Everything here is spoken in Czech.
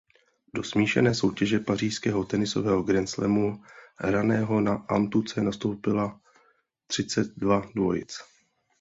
Do smíšené soutěže pařížského tenisového grandslamu hraného na antuce nastoupilo třicet dva dvojic.